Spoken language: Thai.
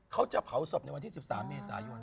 เขาจะเผาศพในวันที่๑๓เมษายน